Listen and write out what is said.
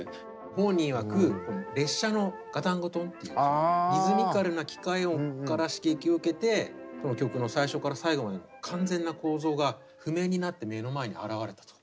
本人いわく列車のガタンゴトンっていうリズミカルな機械音から刺激を受けてこの曲の最初から最後まで完全な構造が譜面になって目の前に現れたと。